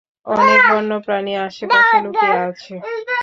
অনেক বন্য প্রাণী আশেপাশে লুকিয়ে আছে।